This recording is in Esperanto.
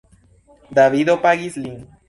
Davido pagis lin.